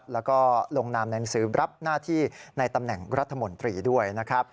แล้วก็ลงนามหนังสือรับหน้าที่ในตำแหน่งรัฐมนตรีด้วยนะครับ